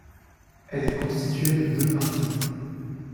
Elle est constituée de deux parties.